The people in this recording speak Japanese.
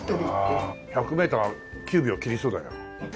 １００メーター９秒切りそうだよ。